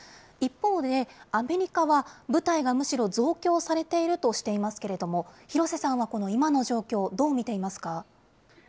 一方で、アメリカは部隊がむしろ増強されているとしていますけれども、廣瀬さんは今のこの状況、どう見ていますか。